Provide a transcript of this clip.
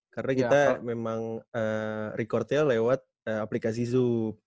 karena kita memang recordnya lewat aplikasi zoom